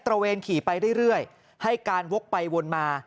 ระเวนขี่ไปเรื่อยให้การวกไปวนมา